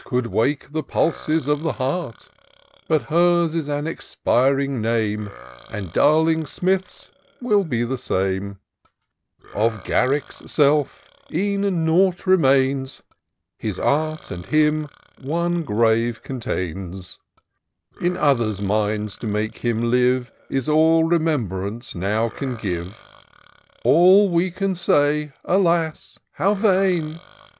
Could wake the pulses of the heart; But her's is an expiring name. And darling Smith's will be the same. Of Garrick's self e'en nought remains ; His art and him one grave contains : 302 Tocm or doctob stxt ax In oCfaen* mindf to make lum fire. Is all remembmiee nofir cm give. An we can smj — alas! how Tain!